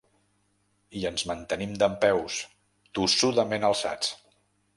I ens mantenim dempeus, tossudament alçats.